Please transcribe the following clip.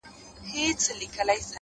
زما په ذهن كي تصوير جوړ كړي’